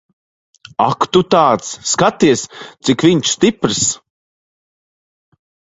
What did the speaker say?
Ak tu tāds. Skaties, cik viņš stiprs.